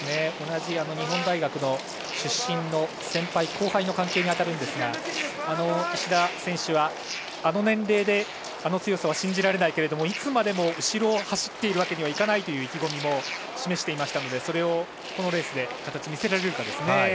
同じ日本大学の出身の先輩・後輩の関係ですが石田選手は、あの年齢であの強さは信じられないけれどもいつまでも後ろを走っているわけにはいかないという意気込みも示していましたのでそれをこのレースで形を見せられるかですね。